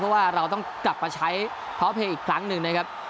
เพราะว่าเราต้องกลับมาใช้เพราะเพลงอีกครั้งหนึ่งนะครับ